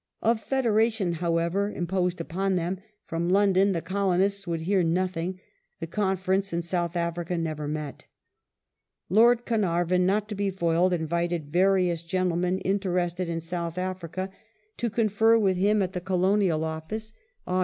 Of federation, however,; imposed upon them from London, the colonists would hear nothing. The Conference in South Africa never met. Lord Carnarvon, not to be foiled, invited various gentlemen interested in South Afi ica to confer with him at the Colonial Office (Aug.